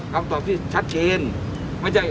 คำตอบที่ชัดเกณฑ์